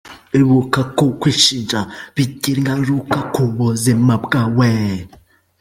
Ibuka ko kwishinja bigira ingaruka ku buzima bwawe.